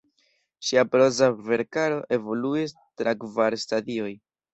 Ŝia proza verkaro evoluis tra kvar stadioj.